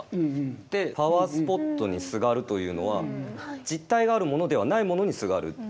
でパワースポットにすがるというのは実体があるものではないものにすがる。